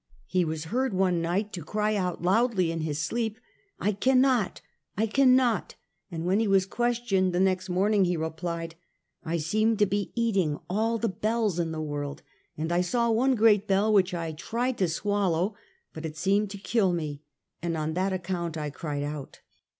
He was heard one night to cry out loudly in his sleep :" I cannot ! I cannot !" and \vhen he was questioned the next morning, he replied :" I seemed to be eating all the bells in the world, and I saw one great bell, which I tried to swallow, but it seemed to kill me ; and on that account I cried out."